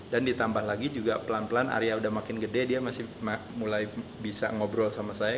dan ditambah lagi juga pelan pelan arya udah makin gede dia masih mulai bisa ngobrol sama saya